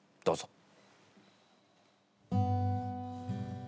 どうぞ。